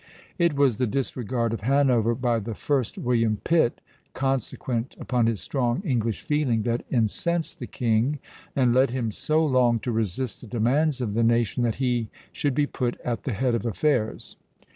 It was the disregard of Hanover by the first William Pitt, consequent upon his strong English feeling, that incensed the king and led him so long to resist the demands of the nation that he should be put at the head of affairs.